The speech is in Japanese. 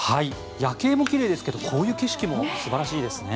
夜景も奇麗ですがこういう景色も素晴らしいですね。